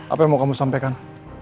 apa yang mau kamu sampaikan